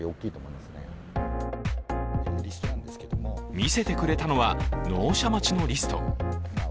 見せてくれたのは、納車待ちのリスト。